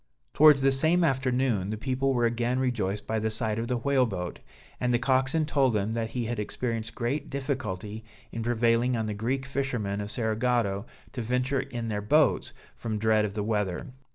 Towards the same afternoon, the people were again rejoiced by the sight of the whale boat, and the coxswain told them that he had experienced great difficulty in prevailing on the Greek fishermen of Cerigotto to venture in their boats, from dread of the weather.